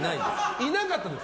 いなかったです。